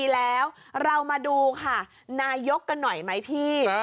แล้วเรามาดูค่ะนายกกันหน่อยไหมพี่